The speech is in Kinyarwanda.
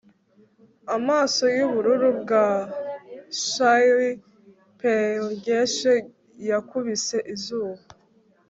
amaso yubururu bwa shy peryenche yakubise izuba